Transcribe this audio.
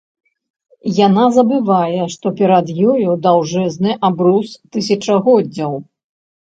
Яна забывае, што перад ёю даўжэзны абрус тысячагоддзяў.